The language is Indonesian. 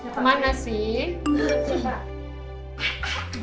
ke mana sih